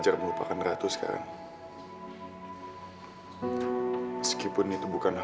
ketuk kotor kan